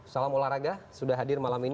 salam olahraga sudah hadir malam ini